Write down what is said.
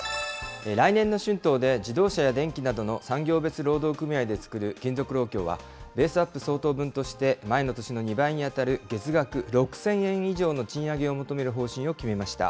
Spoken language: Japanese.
来年の春闘で、自動車や電機などの産業別労働組合で作る金属労協は、ベースアップ相当分として、前の年の２倍に当たる月額６０００円以上の賃上げを求める方針を決めました。